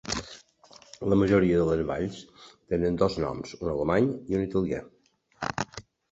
La majoria de les valls tenen dos noms, un alemany i un italià.